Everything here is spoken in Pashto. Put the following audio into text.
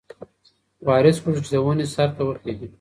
وارث غوښتل چې د ونې سر ته وخیژي.